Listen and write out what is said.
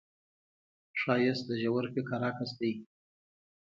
ښایست د ژور فکر عکس دی